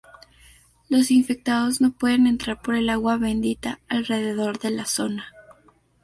Los infectados no pueden entrar por el agua bendita alrededor de la zona.